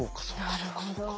なるほど。